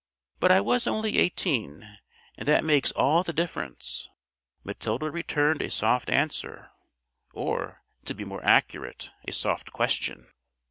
But I was only eighteen, and that makes all the difference." Matilda returned a soft answer or, to be more accurate, a soft question.